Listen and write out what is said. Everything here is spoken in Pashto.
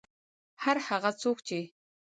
هر هغه څوک چې